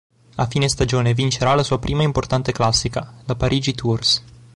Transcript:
A fine stagione vincerà la sua prima importante classica, la Parigi-Tours.